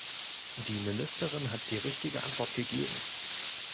Die Ministerin hat die richtige Antwort gegeben.